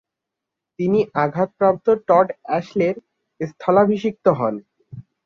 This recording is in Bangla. তিনি আঘাতপ্রাপ্ত টড অ্যাশলে’র স্থলাভিষিক্ত হন।